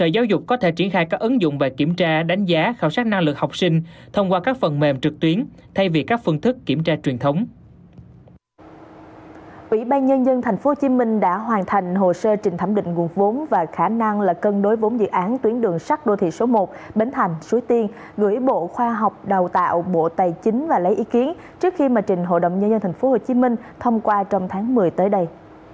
gửi bộ khoa học đào tạo bộ tài chính và lấy ý kiến trước khi mà trình hội đồng nhân dân tp hcm thông qua trong tháng một mươi tới đây